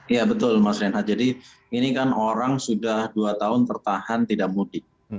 iya betul mas renhat jadi ini kan orang sudah dua tahun tertahan tidak mudik